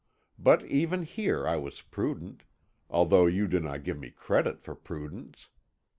But even here I was prudent, although you do not give me credit for prudence.